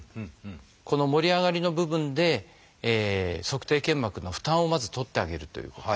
この盛り上がりの部分で足底腱膜の負担をまず取ってあげるということ。